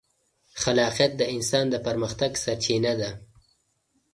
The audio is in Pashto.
خلاقیت د انسان د پرمختګ سرچینه ده.